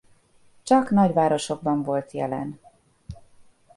Csak nagyvárosokban volt jelen.